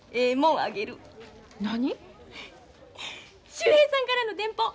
秀平さんからの電報。